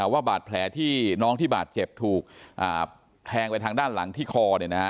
ว่าบาดแผลที่น้องที่บาดเจ็บถูกแทงไปทางด้านหลังที่คอ